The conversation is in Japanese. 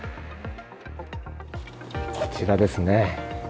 こちらですね。